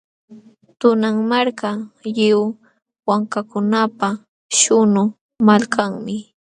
Tunan Marka, lliw wankakunapa śhunqu malkanmi.